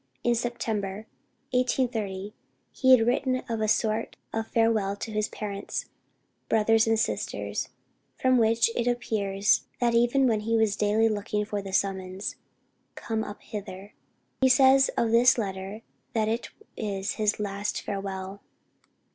In September, 1830, he had written a sort of farewell to his parents, brothers and sisters, from which it appears that even then he was daily looking for the summons "Come up hither." He says of this letter that it is his last farewell.